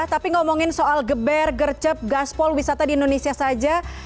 tapi ngomongin soal geber gercep gaspol wisata di indonesia saja